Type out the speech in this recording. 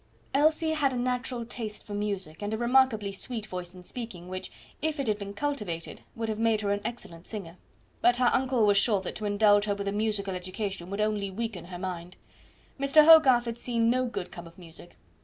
Elsie had a natural taste for music, and a remarkably sweet voice in speaking, which, if it had been cultivated, would have made her an excellent singer; but her uncle was sure that to indulge her with a musical education would only weaken her mind. Mr. Hogarth had seen no good come of music.